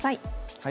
はい。